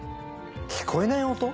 聞こえない音？